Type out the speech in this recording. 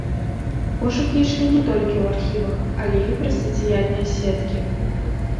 Пошукі ішлі не толькі ў архівах, але і праз сацыяльныя сеткі.